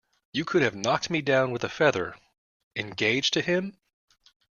You could have knocked me down with a feather. "Engaged to him?"